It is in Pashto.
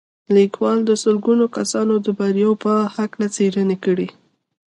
لیکوال د سلګونه کسانو د بریاوو په هکله څېړنې کړي